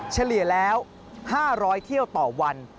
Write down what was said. เฉลี่ยแล้ว๕๐๐เที่ยวต่อวัน